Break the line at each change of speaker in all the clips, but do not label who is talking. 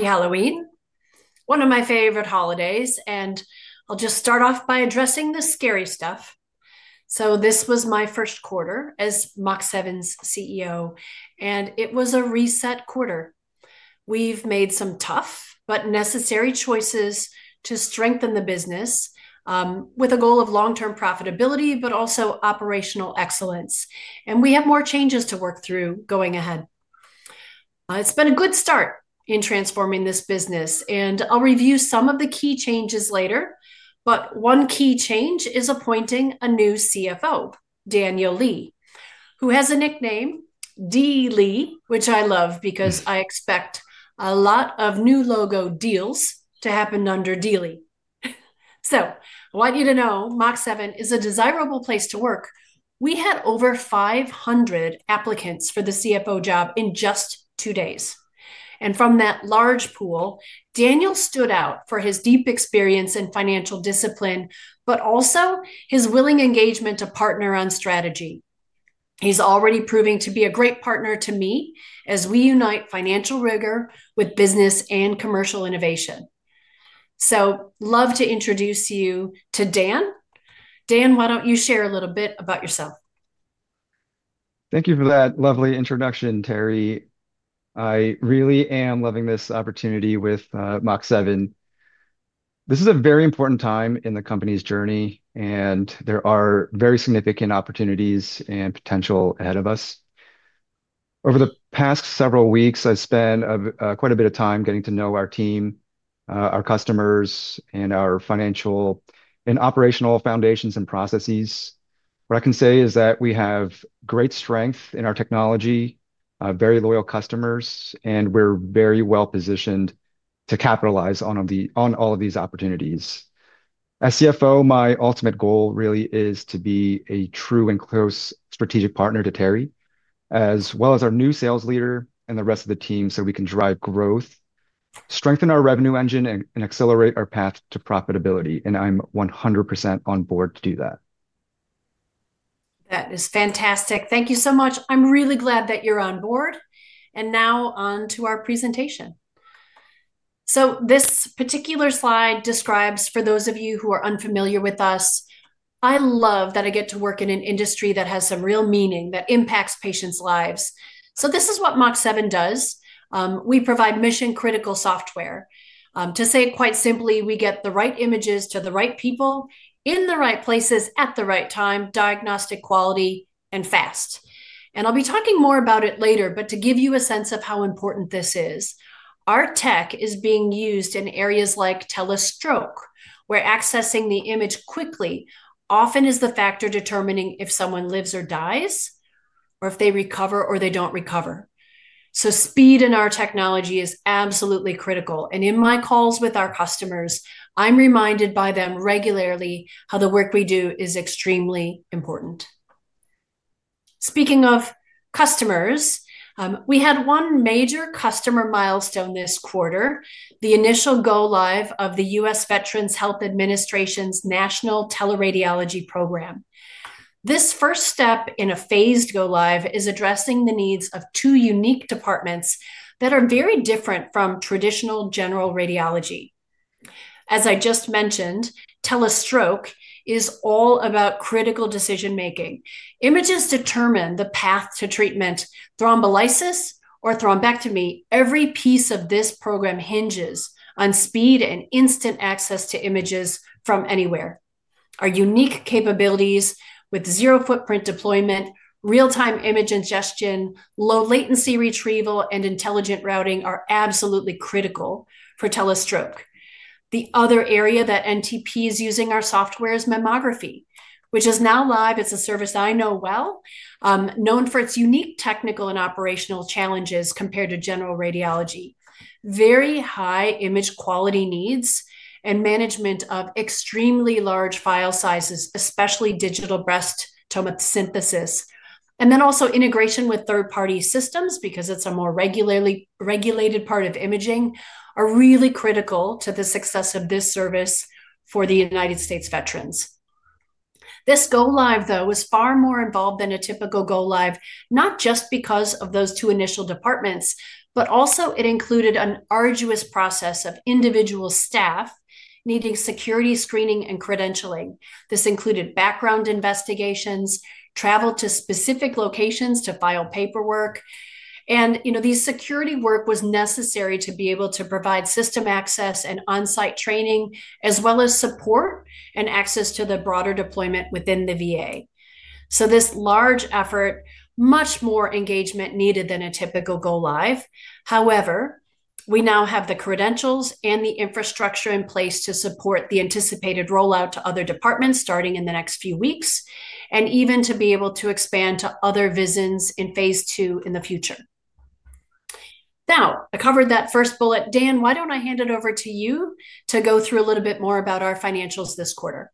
Happy Halloween, one of my favorite holidays, and I'll just start off by addressing the scary stuff. This was my first quarter as Mach7's CEO, and it was a reset quarter. We've made some tough but necessary choices to strengthen the business, with a goal of long-term profitability, but also operational excellence. We have more changes to work through going ahead. It's been a good start in transforming this business, and I'll review some of the key changes later. One key change is appointing a new CFO, Daniel Lee, who has a nickname, Dee Lee, which I love because I expect a lot of new logo deals to happen under Dee Lee. I want you to know Mach7 is a desirable place to work. We had over 500 applicants for the CFO job in just two days. From that large pool, Daniel stood out for his deep experience in financial discipline, but also his willing engagement to partner on strategy. He's already proving to be a great partner to me as we unite financial rigor with business and commercial innovation. I'd love to introduce you to Dan. Dan, why don't you share a little bit about yourself?
Thank you for that lovely introduction, Teri. I really am loving this opportunity with Mach7. This is a very important time in the company's journey, and there are very significant opportunities and potential ahead of us. Over the past several weeks, I've spent quite a bit of time getting to know our team, our customers, and our financial and operational foundations and processes. What I can say is that we have great strength in our technology, very loyal customers, and we're very well positioned to capitalize on all of these opportunities. As CFO, my ultimate goal really is to be a true and close strategic partner to Teri, as well as our new Sales Leader and the rest of the team, so we can drive growth, strengthen our revenue engine, and accelerate our path to profitability. I'm 100% on board to do that.
That is fantastic. Thank you so much. I'm really glad that you're on board. Now on to our presentation. This particular slide describes, for those of you who are unfamiliar with us, I love that I get to work in an industry that has some real meaning that impacts patients' lives. This is what Mach7 does. We provide mission-critical software. To say it quite simply, we get the right images to the right people in the right places at the right time, diagnostic quality and fast. I'll be talking more about it later, but to give you a sense of how important this is, our tech is being used in areas like telestroke, where accessing the image quickly often is the factor determining if someone lives or dies, or if they recover or they don't recover. Speed in our technology is absolutely critical. In my calls with our customers, I'm reminded by them regularly how the work we do is extremely important. Speaking of customers, we had one major customer milestone this quarter, the initial go-live of the US Veterans Health Administration's National Teleradiology Program. This first step in a phased go-live is addressing the needs of two unique departments that are very different from traditional general radiology. As I just mentioned, telestroke is all about critical decision-making. Images determine the path to treatment, thrombolysis or thrombectomy. Every piece of this program hinges on speed and instant access to images from anywhere. Our unique capabilities with zero-footprint deployment, real-time image ingestion, low-latency retrieval, and intelligent routing are absolutely critical for telestroke. The other area that the NTP is using our software is mammography, which is now live. It's a service I know well, known for its unique technical and operational challenges compared to general radiology. Very high image quality needs and management of extremely large file sizes, especially digital breast tomosynthesis, and then also integration with third-party systems because it's a more regulated part of imaging are really critical to the success of this service for the United States Veterans. This go-live, though, was far more involved than a typical go-live, not just because of those two initial departments, but also it included an arduous process of individual staff needing security screening and credentialing. This included background investigations, travel to specific locations to file paperwork. These security work was necessary to be able to provide system access and on-site training, as well as support and access to the broader deployment within the VA. This large effort required much more engagement than a typical go-live. However, we now have the credentials and the infrastructure in place to support the anticipated rollout to other departments starting in the next few weeks, and even to be able to expand to other VISNs in phase II in the future. I covered that first bullet. Dan, why don't I hand it over to you to go through a little bit more about our financials this quarter?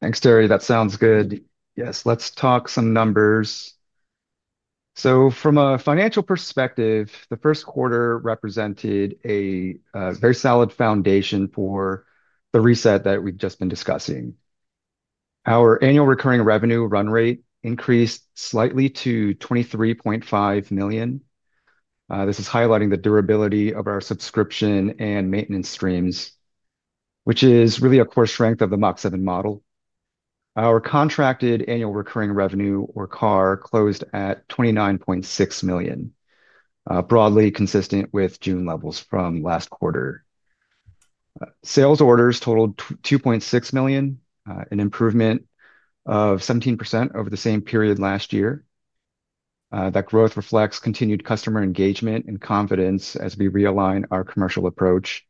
Thanks, Teri. That sounds good. Yes, let's talk some numbers. From a financial perspective, the first quarter represented a very solid foundation for the reset that we've just been discussing. Our annual recurring revenue run rate increased slightly to 23.5 million. This is highlighting the durability of our subscription and maintenance streams, which is really a core strength of the Mach7 model. Our contracted annual recurring revenue, or CARR, closed at 29.6 million, broadly consistent with June levels from last quarter. Sales orders totaled 2.6 million, an improvement of 17% over the same period last year. That growth reflects continued customer engagement and confidence as we realign our commercial approach.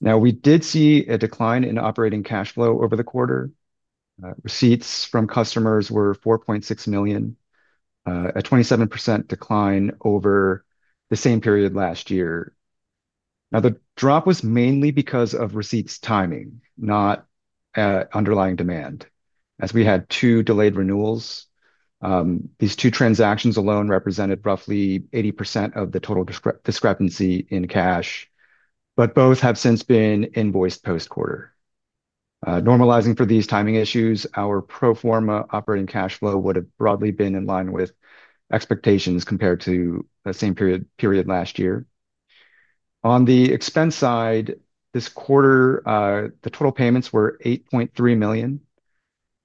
We did see a decline in operating cash flow over the quarter. Receipts from customers were 4.6 million, a 27% decline over the same period last year. The drop was mainly because of receipts timing, not underlying demand. We had two delayed renewals; these two transactions alone represented roughly 80% of the total discrepancy in cash, but both have since been invoiced post-quarter. Normalizing for these timing issues, our pro forma operating cash flow would have broadly been in line with expectations compared to the same period last year. On the expense side, this quarter, the total payments were 8.3 million,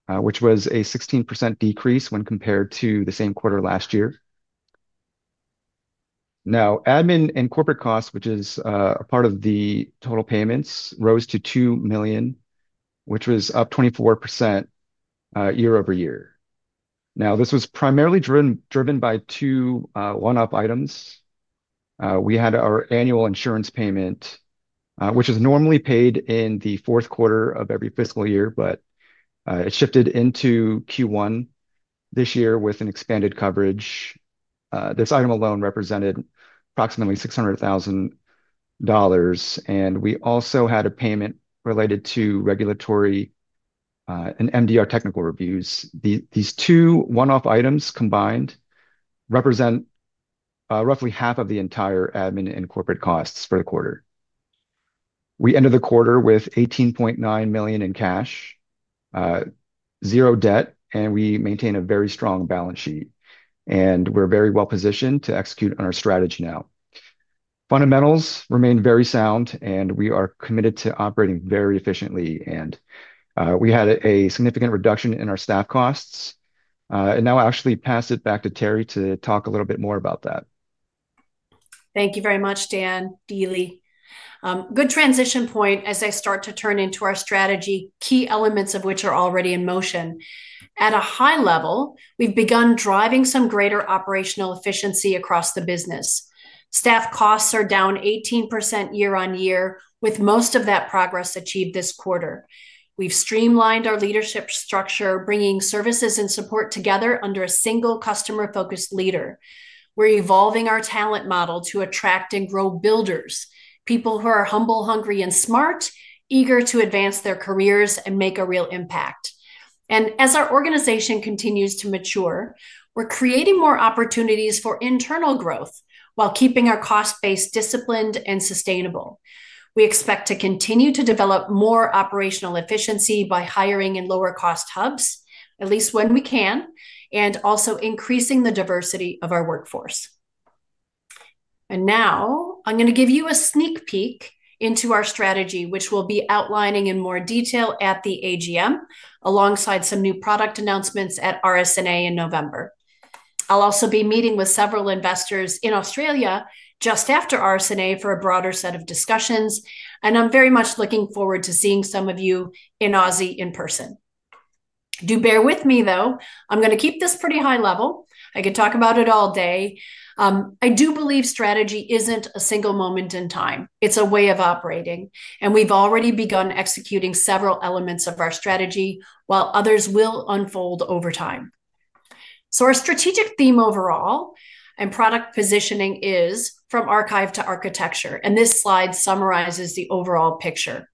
which was a 16% decrease when compared to the same quarter last year. Admin and corporate costs, which is a part of the total payments, rose to 2 million, which was up 24% year-over-year. This was primarily driven by two one-off items. We had our annual insurance payment, which is normally paid in the fourth quarter of every fiscal year, but it shifted into Q1 this year with an expanded coverage. This item alone represented approximately 600,000 dollars. We also had a payment related to regulatory and MDR technical reviews. These two one-off items combined represent roughly half of the entire admin and corporate costs for the quarter. We ended the quarter with 18.9 million in cash, zero debt, and we maintain a very strong balance sheet. We're very well positioned to execute on our strategy now. Fundamentals remain very sound, and we are committed to operating very efficiently. We had a significant reduction in our staff costs. I'll actually pass it back to Teri to talk a little bit more about that.
Thank you very much, Dan. Dee Lee. Good transition point as I start to turn into our strategy, key elements of which are already in motion. At a high level, we've begun driving some greater operational efficiency across the business. Staff costs are down 18% year on year, with most of that progress achieved this quarter. We've streamlined our leadership structure, bringing services and support together under a single customer-focused leader. We're evolving our talent model to attract and grow builders, people who are humble, hungry, and smart, eager to advance their careers and make a real impact. As our organization continues to mature, we're creating more opportunities for internal growth while keeping our cost base disciplined and sustainable. We expect to continue to develop more operational efficiency by hiring in lower-cost hubs, at least when we can, and also increasing the diversity of our workforce. Now, I'm going to give you a sneak peek into our strategy, which we'll be outlining in more detail at the AGM, alongside some new product announcements at RSNA in November. I'll also be meeting with several investors in Australia just after RSNA for a broader set of discussions. I'm very much looking forward to seeing some of you in Aussie in person. Do bear with me, though. I'm going to keep this pretty high level. I could talk about it all day. I do believe strategy isn't a single moment in time. It's a way of operating. We've already begun executing several elements of our strategy, while others will unfold over time. Our strategic theme overall and product positioning is from archive to architecture. This slide summarizes the overall picture.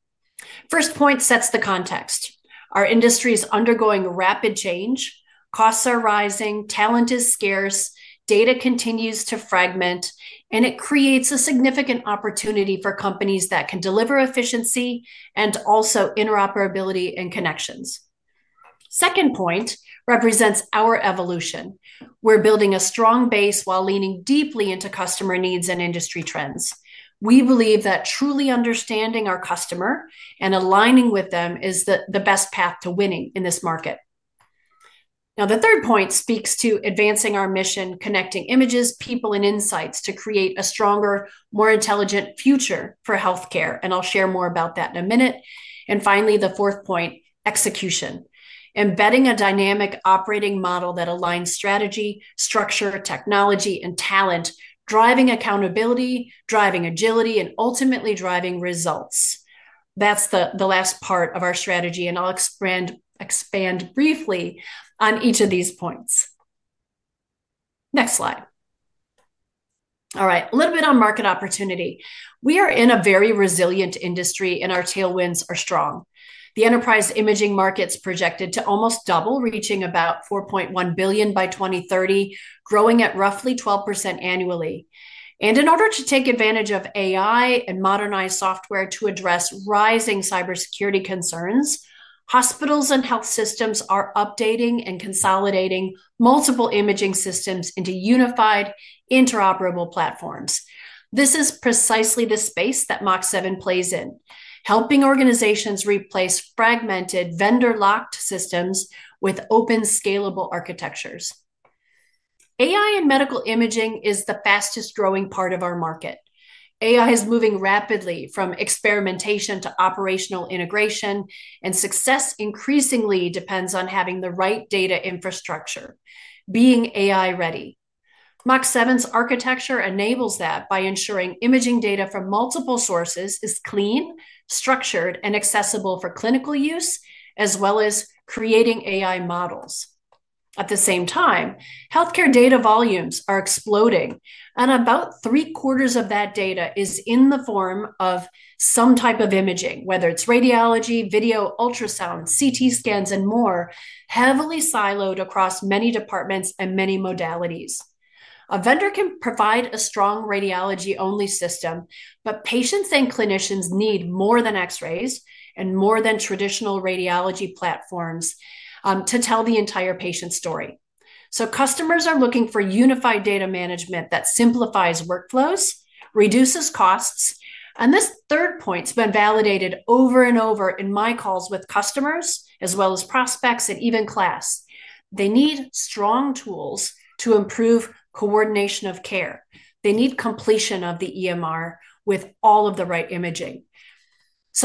First point sets the context. Our industry is undergoing rapid change. Costs are rising. Talent is scarce. Data continues to fragment. It creates a significant opportunity for companies that can deliver efficiency and also interoperability and connections. Second point represents our evolution. We're building a strong base while leaning deeply into customer needs and industry trends. We believe that truly understanding our customer and aligning with them is the best path to winning in this market. The third point speaks to advancing our mission, connecting images, people, and insights to create a stronger, more intelligent future for healthcare. I'll share more about that in a minute. Finally, the fourth point, execution. Embedding a dynamic operating model that aligns strategy, structure, technology, and talent, driving accountability, driving agility, and ultimately driving results. That's the last part of our strategy. I'll expand briefly on each of these points. Next slide. All right, a little bit on market opportunity. We are in a very resilient industry, and our tailwinds are strong. The enterprise imaging market's projected to almost double, reaching about 4.1 billion by 2030, growing at roughly 12% annually. In order to take advantage of AI and modernized software to address rising cybersecurity concerns, hospitals and health systems are updating and consolidating multiple imaging systems into unified interoperable platforms. This is precisely the space that Mach7 plays in, helping organizations replace fragmented, vendor-locked systems with open, scalable architectures. AI in medical imaging is the fastest-growing part of our market. AI is moving rapidly from experimentation to operational integration. Success increasingly depends on having the right data infrastructure, being AI-ready. Mach7's architecture enables that by ensuring imaging data from multiple sources is clean, structured, and accessible for clinical use, as well as creating AI models. At the same time, healthcare data volumes are exploding. About three-quarters of that data is in the form of some type of imaging, whether it's radiology, video, ultrasound, CT scans, and more, heavily siloed across many departments and many modalities. A vendor can provide a strong radiology-only system, but patients and clinicians need more than X-rays and more than traditional radiology platforms to tell the entire patient story. Customers are looking for unified data management that simplifies workflows and reduces costs. This third point's been validated over and over in my calls with customers, as well as prospects and even class. They need strong tools to improve coordination of care. They need completion of the EMR with all of the right imaging.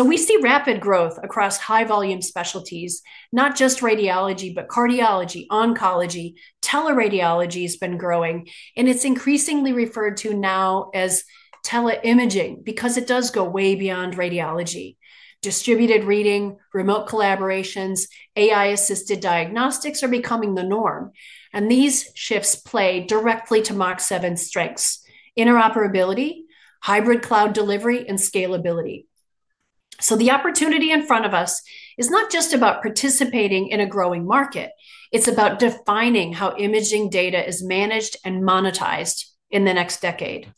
We see rapid growth across high-volume specialties, not just radiology, but cardiology and oncology. Teleradiology has been growing. It's increasingly referred to now as teleimaging because it does go way beyond radiology. Distributed reading, remote collaborations, and AI-assisted diagnostics are becoming the norm. These shifts play directly to Mach7's strengths: interoperability, hybrid cloud delivery, and scalability. The opportunity in front of us is not just about participating in a growing market. It's about defining how imaging data is managed and monetized in the next decade.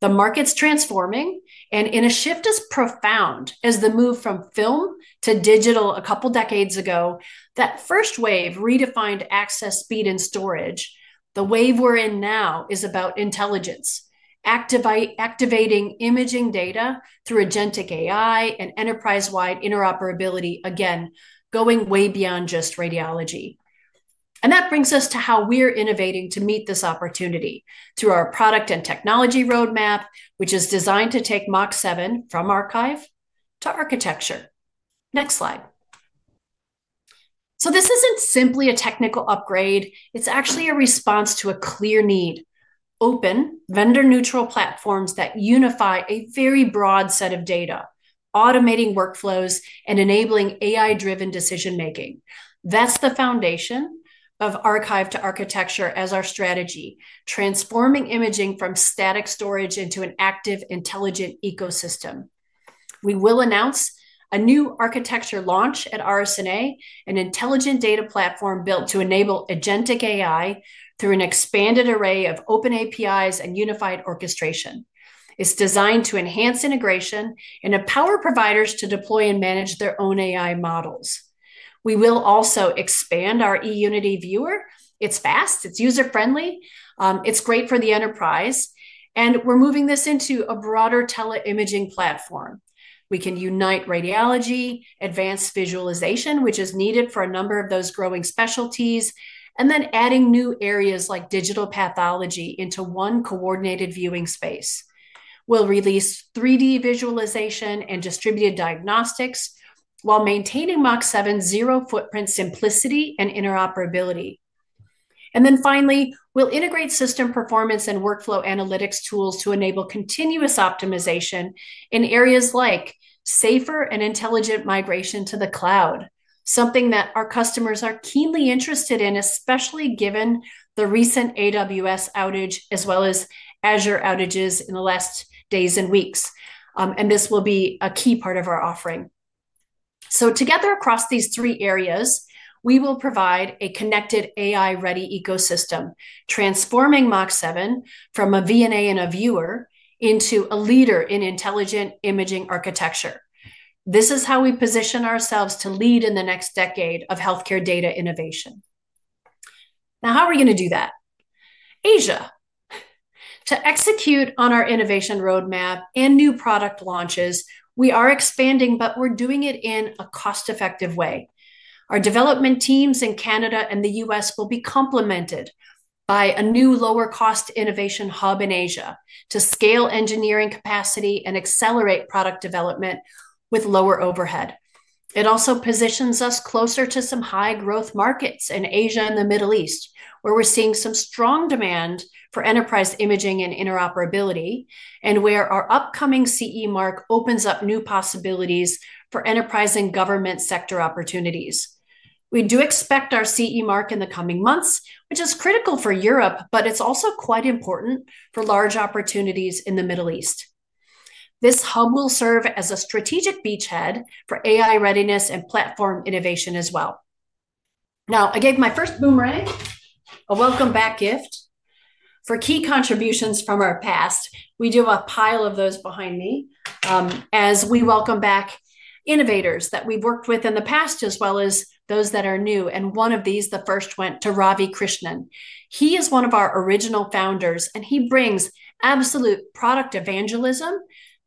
The market's transforming. In a shift as profound as the move from film to digital a couple of decades ago, that first wave redefined access, speed, and storage. The wave we're in now is about intelligence, activating imaging data through agentic AI and enterprise-wide interoperability, going way beyond just radiology. That brings us to how we're innovating to meet this opportunity through our product and technology roadmap, which is designed to take Mach7 from archive to architecture. This isn't simply a technical upgrade. It's actually a response to a clear need: open, vendor-neutral platforms that unify a very broad set of data, automating workflows, and enabling AI-driven decision-making. That's the foundation of archive to architecture as our strategy, transforming imaging from static storage into an active, intelligent ecosystem. We will announce a new architecture launch at RSNA, an intelligent data platform built to enable agentic AI through an expanded array of open APIs and unified orchestration. It's designed to enhance integration and empower providers to deploy and manage their own AI models. We will also expand our eUnity Viewer. It's fast. It's user-friendly. It's great for the enterprise. We're moving this into a broader teleimaging platform. We can unite radiology, advanced visualization, which is needed for a number of those growing specialties, and then add new areas like digital pathology into one coordinated viewing space. We'll release 3D visualization and distributed diagnostics while maintaining Mach7's zero-footprint simplicity and interoperability. Finally, we'll integrate system performance and workflow analytics tools to enable continuous optimization in areas like safer and intelligent migration to the cloud, something that our customers are keenly interested in, especially given the recent AWS outage as well as Azure outages in the last days and weeks. This will be a key part of our offering. Together across these three areas, we will provide a connected AI-ready ecosystem, transforming Mach7 from a VNA and a viewer into a leader in intelligent imaging architecture. This is how we position ourselves to lead in the next decade of healthcare data innovation. Now, how are we going to do that? Asia. To execute on our innovation roadmap and new product launches, we are expanding, but we're doing it in a cost-effective way. Our development teams in Canada and the U.S. will be complemented by a new lower-cost innovation hub in Asia to scale engineering capacity and accelerate product development with lower overhead. It also positions us closer to some high-growth markets in Asia and the Middle East, where we're seeing some strong demand for enterprise imaging and interoperability, and where our upcoming CE Mark opens up new possibilities for enterprise and government sector opportunities. We do expect our CE Mark in the coming months, which is critical for Europe, but it's also quite important for large opportunities in the Middle East. This hub will serve as a strategic beachhead for AI readiness and platform innovation as well. I gave my first boomerang a welcome-back gift for key contributions from our past. We do have a pile of those behind me. As we welcome back innovators that we've worked with in the past, as well as those that are new. One of these, the first, went to Ravi Krishnan. He is one of our original founders, and he brings absolute product evangelism,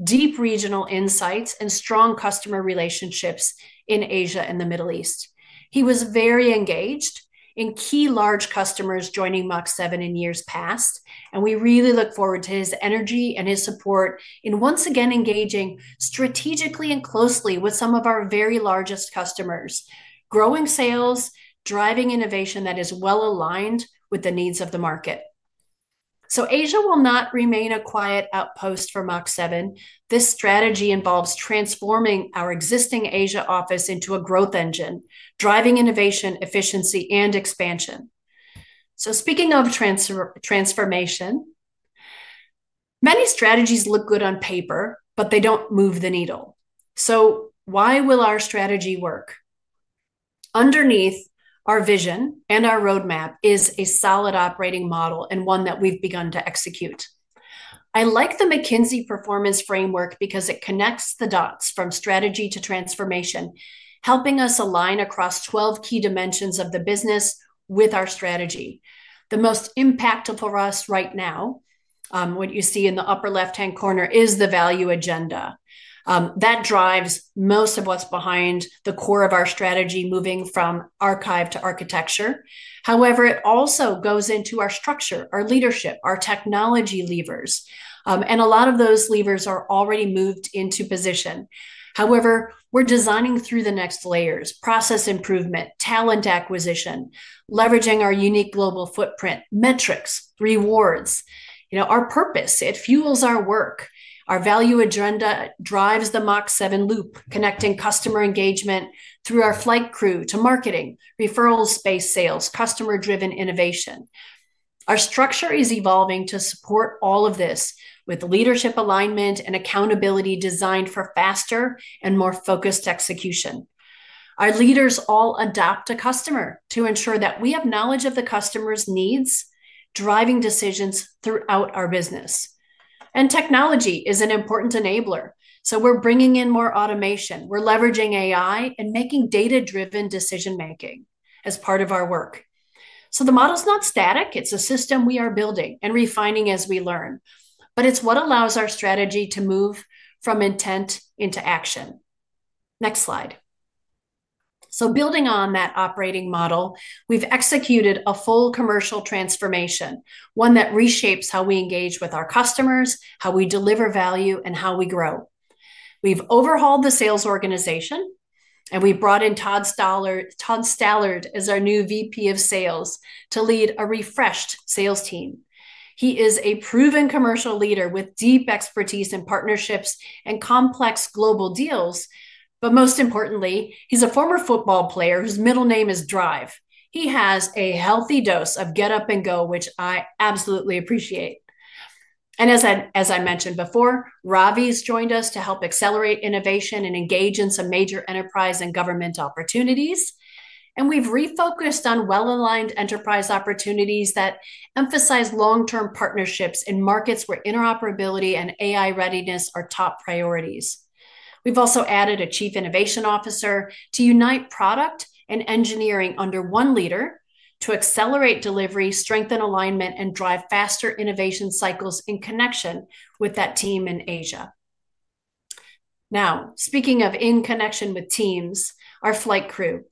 deep regional insights, and strong customer relationships in Asia and the Middle East. He was very engaged in key large customers joining Mach7 in years past. We really look forward to his energy and his support in once again engaging strategically and closely with some of our very largest customers, growing sales, driving innovation that is well aligned with the needs of the market. Asia will not remain a quiet outpost for Mach7. This strategy involves transforming our existing Asia office into a growth engine, driving innovation, efficiency, and expansion. Speaking of transformation, many strategies look good on paper, but they don't move the needle. Why will our strategy work? Underneath our vision and our roadmap is a solid operating model and one that we've begun to execute. I like the McKinsey Performance Framework because it connects the dots from strategy to transformation, helping us align across 12 key dimensions of the business with our strategy. The most impactful for us right now, what you see in the upper left-hand corner, is the value agenda. That drives most of what's behind the core of our strategy, moving from archive to architecture. It also goes into our structure, our leadership, our technology levers. A lot of those levers are already moved into position. However, we're designing through the next layers: process improvement, talent acquisition, leveraging our unique global footprint, metrics, rewards, our purpose. It fuels our work. Our value agenda drives the Mach7 loop, connecting customer engagement through our flight crew to marketing, referrals, space sales, customer-driven innovation. Our structure is evolving to support all of this with leadership alignment and accountability designed for faster and more focused execution. Our leaders all adopt a customer to ensure that we have knowledge of the customer's needs, driving decisions throughout our business. Technology is an important enabler. We're bringing in more automation. We're leveraging AI and making data-driven decision-making as part of our work. The model's not static. It's a system we are building and refining as we learn. It's what allows our strategy to move from intent into action. Next slide. Building on that operating model, we've executed a full commercial transformation, one that reshapes how we engage with our customers, how we deliver value, and how we grow. We've overhauled the sales organization and we've brought in Todd Stallard as our new VP of Sales to lead a refreshed sales team. He is a proven commercial leader with deep expertise in partnerships and complex global deals. Most importantly, he's a former football player whose middle name is Drive. He has a healthy dose of get up and go, which I absolutely appreciate. As I mentioned before, Ravi's joined us to help accelerate innovation and engage in some major enterprise and government opportunities. We've refocused on well-aligned enterprise opportunities that emphasize long-term partnerships in markets where interoperability and AI readiness are top priorities. We've also added a Chief Innovation Officer to unite product and engineering under one leader to accelerate delivery, strengthen alignment, and drive faster innovation cycles in connection with that team in Asia. Speaking of in connection with teams, our flight crew.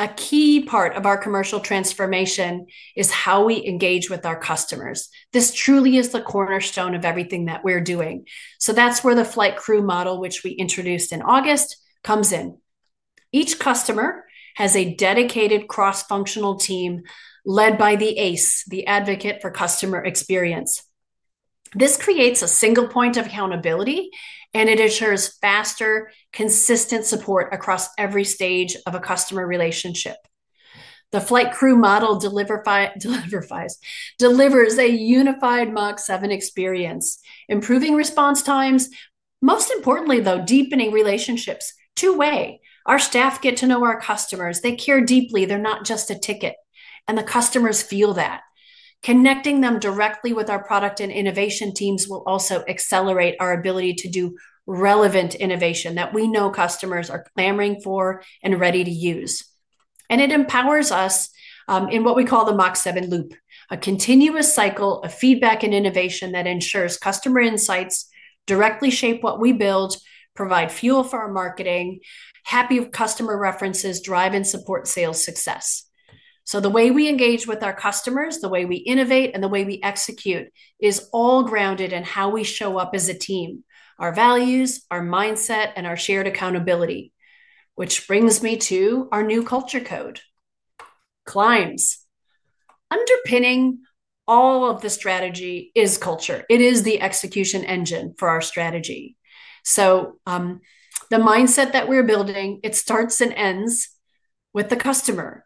A key part of our commercial transformation is how we engage with our customers. This truly is the cornerstone of everything that we're doing. That's where the flight crew model, which we introduced in August, comes in. Each customer has a dedicated cross-functional team led by the ACE, the Advocate for Customer Experience. This creates a single point of accountability, and it ensures faster, consistent support across every stage of a customer relationship. The flight crew model delivers a unified Mach7 experience, improving response times. Most importantly, though, deepening relationships two-way. Our staff get to know our customers. They care deeply. They're not just a ticket, and the customers feel that. Connecting them directly with our product and innovation teams will also accelerate our ability to do relevant innovation that we know customers are clamoring for and ready to use. It empowers us in what we call the Mach7 loop, a continuous cycle of feedback and innovation that ensures customer insights directly shape what we build, provide fuel for our marketing, happy customer references drive, and support sales success. The way we engage with our customers, the way we innovate, and the way we execute is all grounded in how we show up as a team, our values, our mindset, and our shared accountability, which brings me to our new culture code. CLIMBS. Underpinning all of the strategy is culture. It is the execution engine for our strategy. The mindset that we're building, it starts and ends with the customer.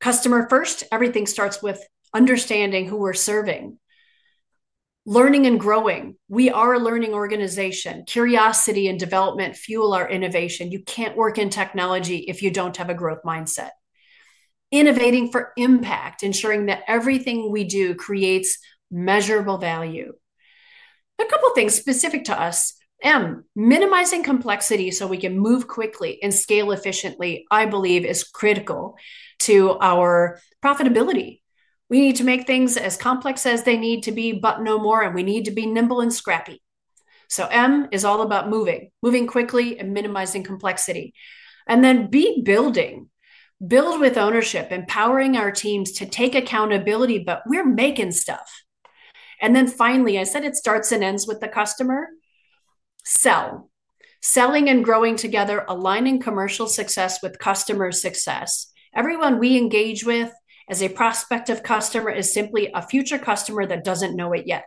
Customer first, everything starts with understanding who we're serving. Learning and growing. We are a learning organization. Curiosity and development fuel our innovation. You can't work in technology if you don't have a growth mindset. Innovating for impact, ensuring that everything we do creates measurable value. A couple of things specific to us. Minimizing complexity so we can move quickly and scale efficiently, I believe, is critical to our profitability. We need to make things as complex as they need to be, but no more. We need to be nimble and scrappy. M is all about moving, moving quickly, and minimizing complexity. Then B, building. Build with ownership, empowering our teams to take accountability, but we're making stuff. Finally, I said it starts and ends with the customer. Sell. Selling and growing together, aligning commercial success with customer success. Everyone we engage with as a prospective customer is simply a future customer that doesn't know it yet.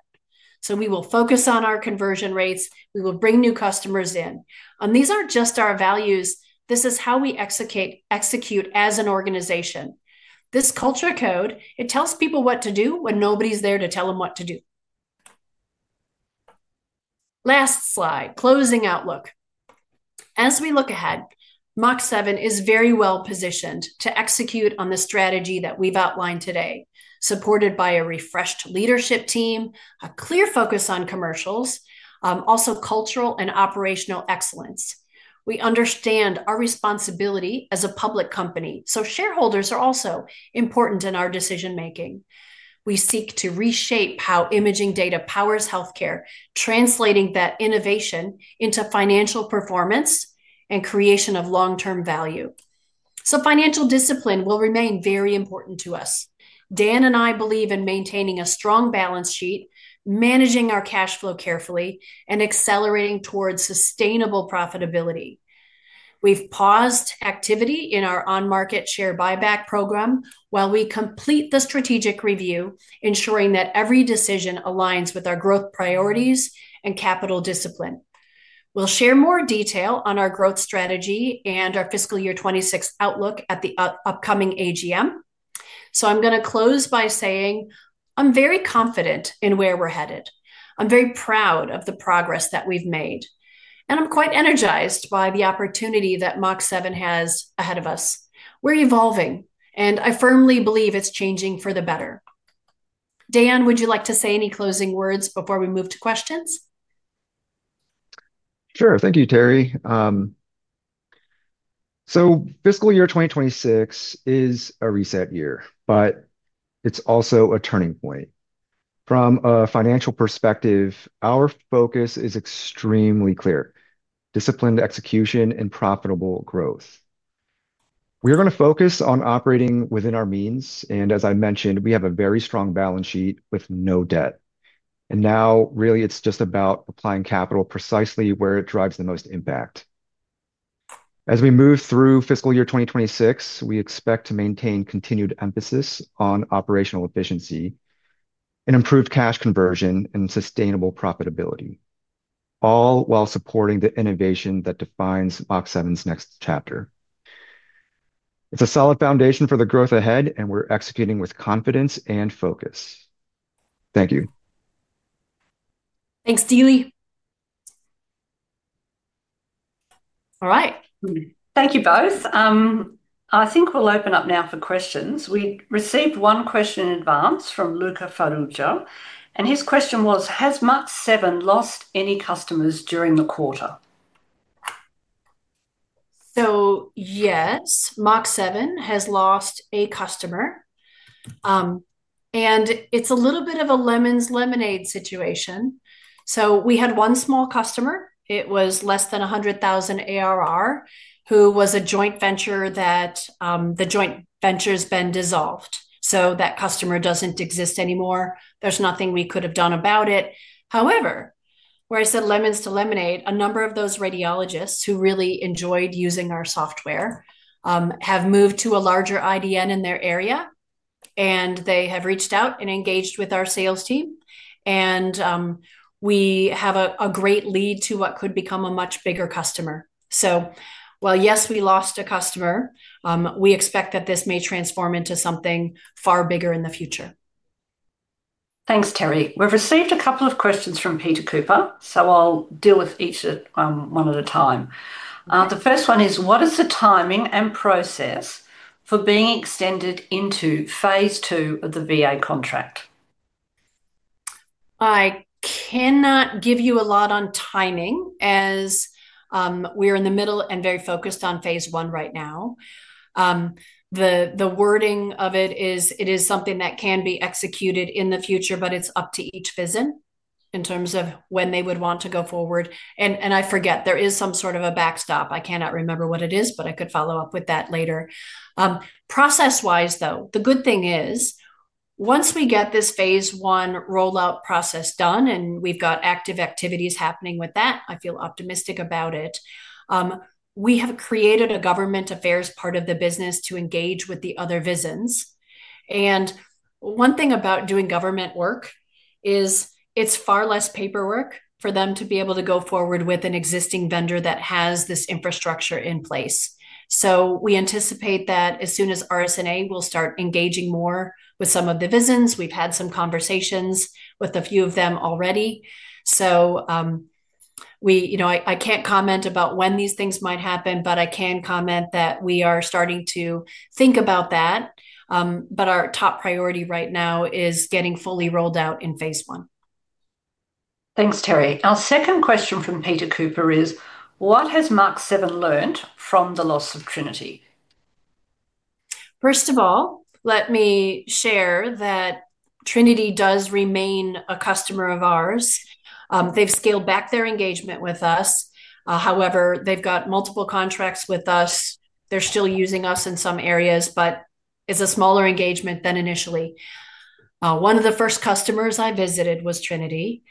We will focus on our conversion rates. We will bring new customers in. These aren't just our values. This is how we execute as an organization. This culture code, it tells people what to do when nobody's there to tell them what to do. Last slide. Closing outlook. As we look ahead, Mach7 is very well positioned to execute on the strategy that we've outlined today, supported by a refreshed leadership team, a clear focus on commercials, also cultural and operational excellence. We understand our responsibility as a public company. Shareholders are also important in our decision-making. We seek to reshape how imaging data powers healthcare, translating that innovation into financial performance and creation of long-term value. Financial discipline will remain very important to us. Dan and I believe in maintaining a strong balance sheet, managing our cash flow carefully, and accelerating towards sustainable profitability. We've paused activity in our on-market share buyback program while we complete the strategic review, ensuring that every decision aligns with our growth priorities and capital discipline. We'll share more detail on our growth strategy and our fiscal year 2026 outlook at the upcoming AGM. I'm going to close by saying I'm very confident in where we're headed. I'm very proud of the progress that we've made. I'm quite energized by the opportunity that Mach7 has ahead of us. We're evolving, and I firmly believe it's changing for the better. Dan, would you like to say any closing words before we move to questions?
Sure. Thank you, Teri. Fiscal year 2026 is a reset year, but it's also a turning point. From a financial perspective, our focus is extremely clear: disciplined execution and profitable growth. We are going to focus on operating within our means. As I mentioned, we have a very strong balance sheet with no debt. Now, really, it's just about applying capital precisely where it drives the most impact. As we move through fiscal year 2026, we expect to maintain continued emphasis on operational efficiency and improved cash conversion and sustainable profitability, all while supporting the innovation that defines Mach7's next chapter. It's a solid foundation for the growth ahead, and we're executing with confidence and focus. Thank you.
Thanks, Dee Lee. All right. Thank you both. I think we'll open up now for questions. We received one question in advance from Luca Farruggio. His question was, "Has Mach7 lost any customers during the quarter?"
Yes, Mach7 has lost a customer. It's a little bit of a lemon's lemonade situation. We had one small customer. It was less than 100,000 ARR, who was a joint venture that the joint venture's been dissolved. That customer doesn't exist anymore. There's nothing we could have done about it. However, where I said lemons to lemonade, a number of those radiologists who really enjoyed using our software have moved to a larger IDN in their area. They have reached out and engaged with our sales team. We have a great lead to what could become a much bigger customer. While yes, we lost a customer, we expect that this may transform into something far bigger in the future.
Thanks, Teri. We've received a couple of questions from Peter Cooper, so I'll deal with each one at a time. The first one is, "What is the timing and process for being extended into phase II of the VA contract?"
I cannot give you a lot on timing as we're in the middle and very focused on phase I right now. The wording of it is it is something that can be executed in the future, but it's up to each visit in terms of when they would want to go forward. I forget, there is some sort of a backstop. I cannot remember what it is, but I could follow up with that later. Process-wise, the good thing is once we get this phase I rollout process done and we've got active activities happening with that, I feel optimistic about it. We have created a government affairs part of the business to engage with the other visits. One thing about doing government work is it's far less paperwork for them to be able to go forward with an existing vendor that has this infrastructure in place. We anticipate that as soon as RSNA will start engaging more with some of the visits. We've had some conversations with a few of them already. I can't comment about when these things might happen, but I can comment that we are starting to think about that. Our top priority right now is getting fully rolled out in phase I.
Thanks, Teri. Our second question from Peter Cooper is, "What has Mach7 learned from the loss of Trinity?"
First of all, let me share that Trinity does remain a customer of ours. They've scaled back their engagement with us. However, they've got multiple contracts with us. They're still using us in some areas, but it's a smaller engagement than initially. One of the first customers I visited was Trinity.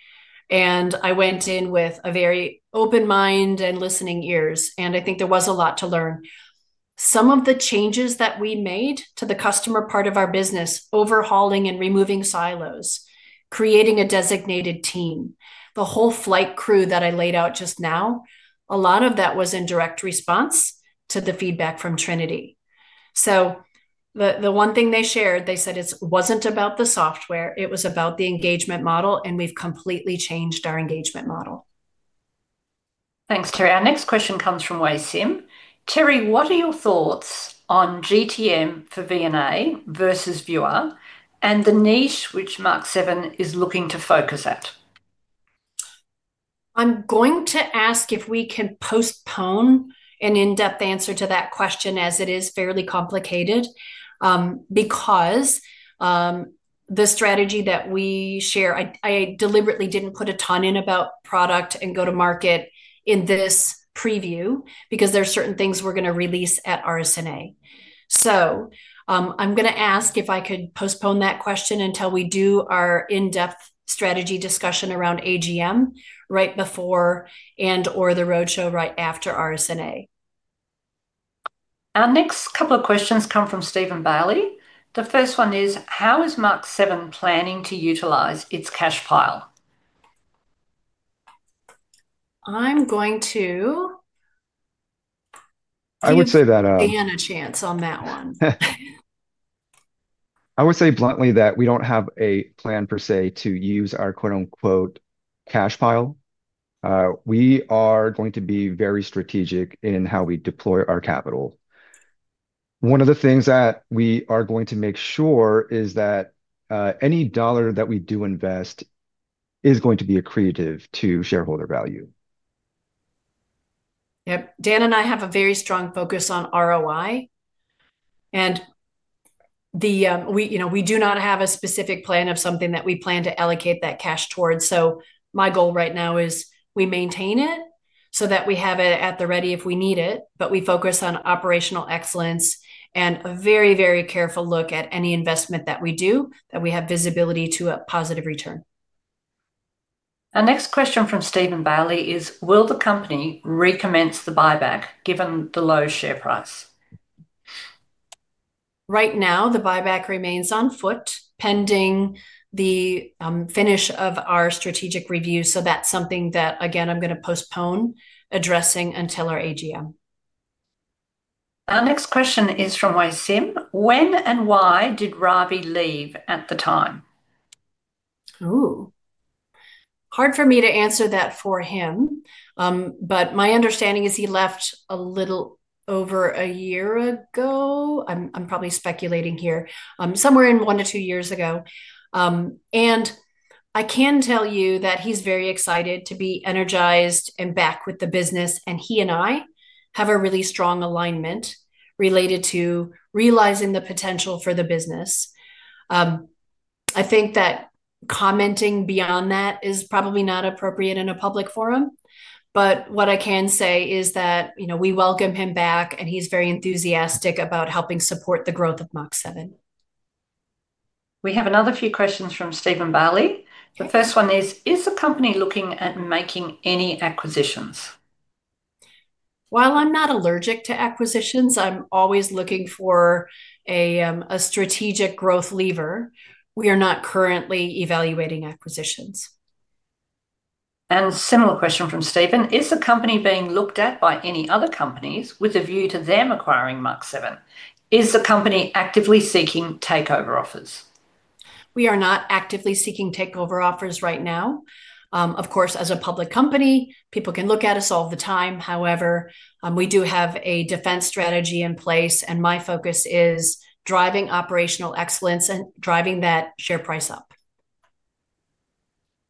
I went in with a very open mind and listening ears. I think there was a lot to learn. Some of the changes that we made to the customer part of our business, overhauling and removing silos, creating a designated team, the whole flight crew that I laid out just now, a lot of that was in direct response to the feedback from Trinity. The one thing they shared, they said it wasn't about the software. It was about the engagement model. We've completely changed our engagement model.
Thanks, Teri. Our next question comes from Waisim. "Teri, what are your thoughts on GTM for VNA versus VUA and the niche which Mach7 is looking to focus at?"
I'm going to ask if we can postpone an in-depth answer to that question as it is fairly complicated. The strategy that we share, I deliberately didn't put a ton in about product and go-to-market in this preview because there are certain things we're going to release at RSNA. I'm going to ask if I could postpone that question until we do our in-depth strategy discussion around AGM right before and/or the roadshow right after RSNA.
Our next couple of questions come from Stephen Bailey. The first one is, "How is Mach7 planning to utilize its cash pile?"
I would say that,
give Dan a chance on that one.
I would say bluntly that we don't have a plan per se to use our quote-unquote "cash pile." We are going to be very strategic in how we deploy our capital. One of the things that we are going to make sure is that any dollar that we do invest is going to be accretive to shareholder value.
Yep. Dan and I have a very strong focus on ROI. We do not have a specific plan of something that we plan to allocate that cash towards. My goal right now is we maintain it so that we have it at the ready if we need it, but we focus on operational excellence and a very, very careful look at any investment that we do that we have visibility to a positive return.
Our next question from Stephen Bailey is, "Will the company recommence the buyback given the low share price?"
Right now, the buyback remains on foot pending the finish of our strategic review. That's something that, again, I'm going to postpone addressing until our AGM.
Our next question is from Waisim. "When and why did Ravi leave at the time?"
Hard for me to answer that for him. My understanding is he left a little over a year ago. I'm probably speculating here. Somewhere in one to two years ago. I can tell you that he's very excited to be energized and back with the business. He and I have a really strong alignment related to realizing the potential for the business. I think that commenting beyond that is probably not appropriate in a public forum. What I can say is that we welcome him back, and he's very enthusiastic about helping support the growth of Mach7.
We have another few questions from Stephen Bailey. The first one is, "Is the company looking at making any acquisitions?"
While I'm not allergic to acquisitions, I'm always looking for a strategic growth lever. We are not currently evaluating acquisitions.
A similar question from Stephen, "Is the company being looked at by any other companies with a view to them acquiring Mach7? Is the company actively seeking takeover offers?"
We are not actively seeking takeover offers right now. Of course, as a public company, people can look at us all the time. However, we do have a defense strategy in place, and my focus is driving operational excellence and driving that share price up.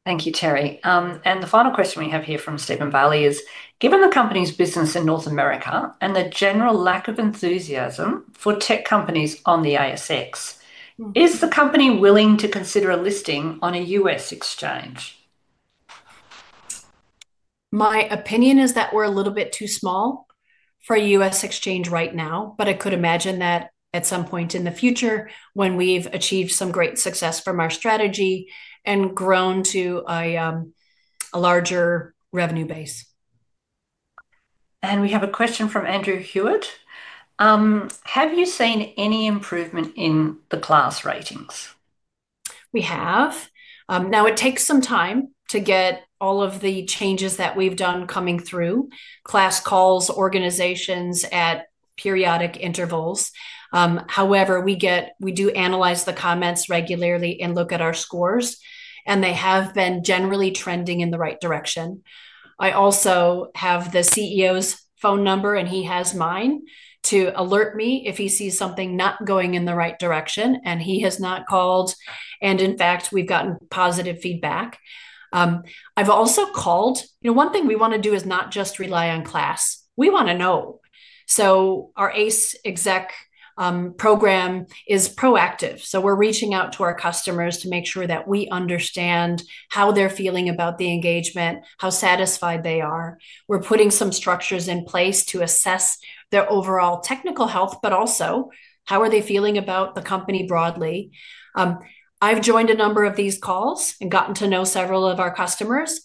Thank you, Teri. The final question we have here from Stephen Bailey is, "Given the company's business in North America and the general lack of enthusiasm for tech companies on the ASX, is the company willing to consider a listing on a U.S. exchange?"
My opinion is that we're a little bit too small for a U.S. exchange right now, but I could imagine that at some point in the future when we've achieved some great success from our strategy and grown to a larger revenue base.
We have a question from Andrew Hewitt. "Have you seen any improvement in the class ratings?"
We have. It takes some time to get all of the changes that we've done coming through. Class calls organizations at periodic intervals. We do analyze the comments regularly and look at our scores, and they have been generally trending in the right direction. I also have the CEO's phone number, and he has mine, to alert me if he sees something not going in the right direction, and he has not called. In fact, we've gotten positive feedback. I've also called. One thing we want to do is not just rely on class. We want to know. Our ACE exec program is proactive. We're reaching out to our customers to make sure that we understand how they're feeling about the engagement, how satisfied they are. We're putting some structures in place to assess their overall technical health, but also how are they feeling about the company broadly. I've joined a number of these calls and gotten to know several of our customers.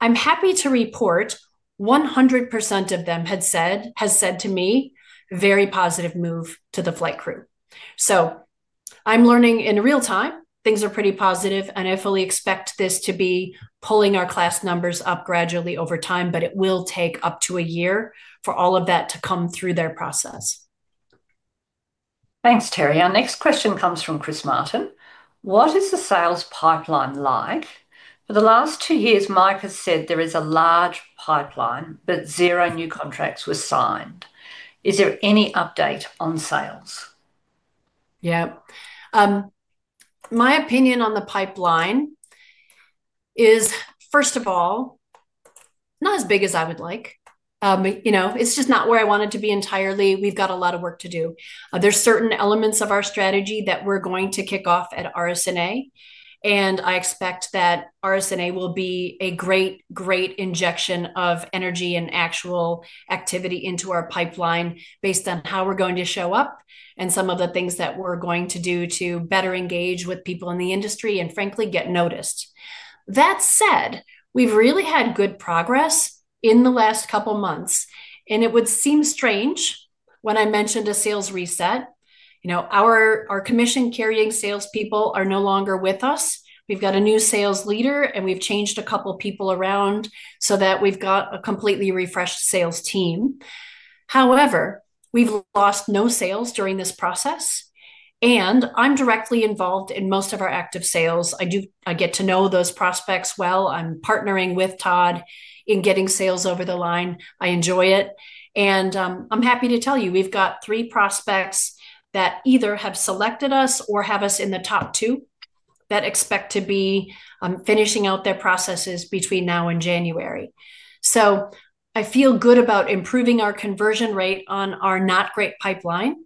I'm happy to report 100% of them had said to me, "Very positive move to the flight crew." I'm learning in real time. Things are pretty positive, and I fully expect this to be pulling our class numbers up gradually over time, but it will take up to a year for all of that to come through their process.
Thanks, Teri. Our next question comes from Chris Martin. "What is the sales pipeline like? For the last two years, Mike has said there is a large pipeline, but zero new contracts were signed. Is there any update on sales?"
Yeah. My opinion on the pipeline is, first of all, not as big as I would like. It's just not where I wanted to be entirely. We've got a lot of work to do. There are certain elements of our strategy that we're going to kick off at RSNA. I expect that RSNA will be a great, great injection of energy and actual activity into our pipeline based on how we're going to show up and some of the things that we're going to do to better engage with people in the industry and, frankly, get noticed. That said, we've really had good progress in the last couple of months. It would seem strange when I mention a sales reset. Our commission-carrying salespeople are no longer with us. We've got a new sales leader, and we've changed a couple of people around so that we've got a completely refreshed sales team. However, we've lost no sales during this process. I'm directly involved in most of our active sales. I get to know those prospects well. I'm partnering with Todd in getting sales over the line. I enjoy it. I'm happy to tell you we've got three prospects that either have selected us or have us in the top two that expect to be finishing out their processes between now and January. I feel good about improving our conversion rate on our not-great pipeline,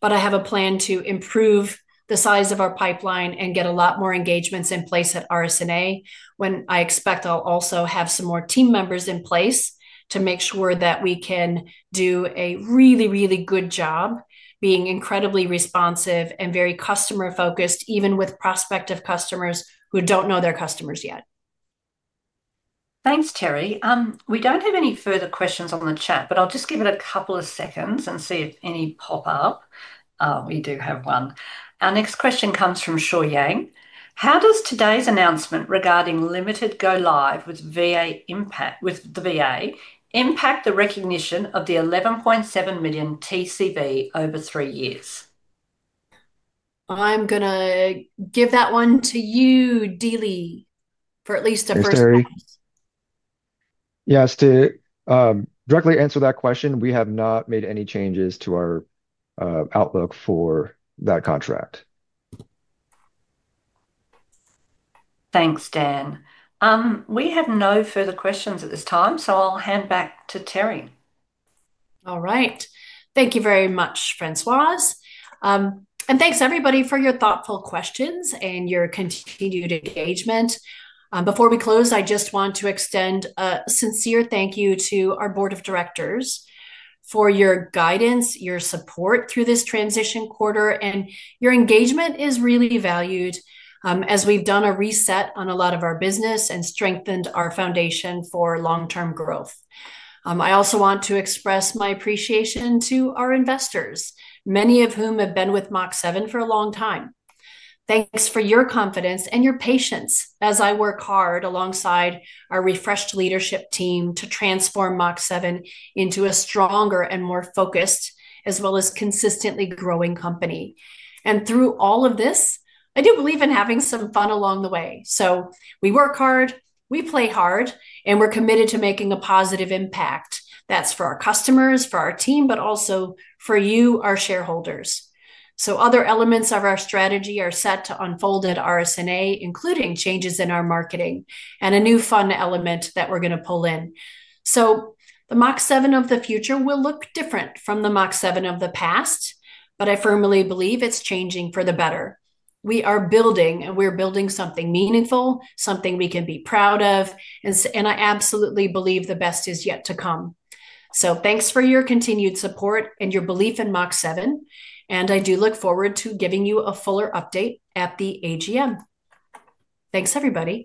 but I have a plan to improve the size of our pipeline and get a lot more engagements in place at RSNA when I expect I'll also have some more team members in place to make sure that we can do a really, really good job being incredibly responsive and very customer-focused, even with prospective customers who don't know they're customers yet.
Thanks, Teri. We don't have any further questions on the chat, but I'll just give it a couple of seconds and see if any pop up. We do have one. Our next question comes from Shuo Yang. "How does today's announcement regarding limited go-live with the. VA impact the recognition of the 11.7 million TCB over three years?" I'm going to give that one to you, Dee Lee, for at least a first pass.
Yes, to directly answer that question, we have not made any changes to our outlook for that contract.
Thanks, Dan. We have no further questions at this time, so I'll hand back to Teri.
All right. Thank you very much, Françoise. Thanks, everybody, for your thoughtful questions and your continued engagement. Before we close, I just want to extend a sincere thank you to our board of directors for your guidance and your support through this transition quarter. Your engagement is really valued as we've done a reset on a lot of our business and strengthened our foundation for long-term growth. I also want to express my appreciation to our investors, many of whom have been with Mach7 for a long time. Thanks for your confidence and your patience as I work hard alongside our refreshed leadership team to transform Mach7 into a stronger and more focused, as well as consistently growing company. Through all of this, I do believe in having some fun along the way. We work hard, we play hard, and we're committed to making a positive impact. That's for our customers, for our team, but also for you, our shareholders. Other elements of our strategy are set to unfold at RSNA, including changes in our marketing and a new fun element that we're going to pull in. The Mach7 of the future will look different from the Mach7 of the past, but I firmly believe it's changing for the better. We are building, and we're building something meaningful, something we can be proud of. I absolutely believe the best is yet to come. Thanks for your continued support and your belief in Mach7. I do look forward to giving you a fuller update at the AGM. Thanks, everybody.